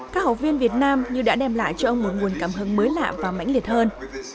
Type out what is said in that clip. các học viên việt nam như đã đem lại cho ông một nguồn cảm hứng mới lạ và mãnh liệt hơn